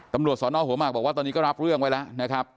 ตำรวจสอนอหัวหมากบอกว่าตอนนี้ก็รับเรื่องไว้แล้วนะครับ